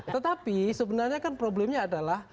tetapi sebenarnya kan problemnya adalah